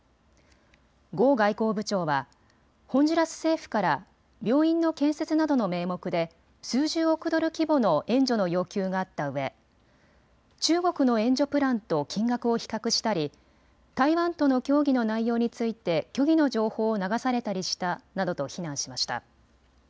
呉外交部長はホンジュラス政府から病院の建設などの名目で数十億ドル規模の援助の要求があったうえ、中国の援助プランと金額を比較したり台湾との協議の内容について虚偽の情報を流されたりしたなどと非難しました。